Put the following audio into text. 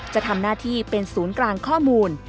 จะทำหน้าที่เป็นศูนย์กลางข้อมูล